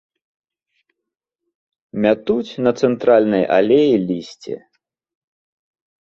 Мятуць на цэнтральнай алеі лісце.